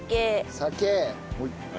酒。